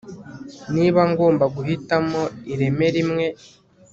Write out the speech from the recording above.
niba ngomba guhitamo ireme rimwe